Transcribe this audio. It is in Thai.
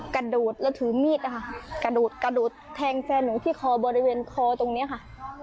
กระโดดแล้วถือมีดนะคะกระโดดกระโดดแทงแฟนหนูที่คอบริเวณคอตรงนี้ค่ะ